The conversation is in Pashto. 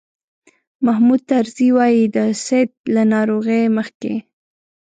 محمود طرزي وایي د سید له ناروغۍ مخکې.